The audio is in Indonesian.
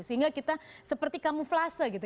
sehingga kita seperti kamuflase gitu